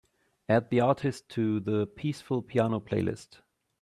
Add the artist to the peaceful piano playlist.